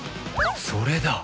それだ